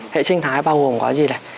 hệ sinh thái bao gồm có gì này